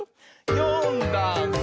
「よんだんす」